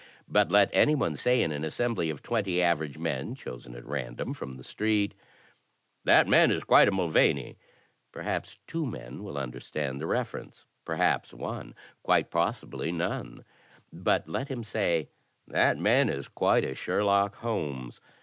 But let anyone say in an assembly of twenty average men chosen at random from the street — *That man 8o THE TECHNIQUE OF THE MYSTERY STORY is quite a Mulvaney.' Perhaps two men will understand the reference; perhaps one; quite possibly none. But let him say *That man is quite a Sherlock Holmes.'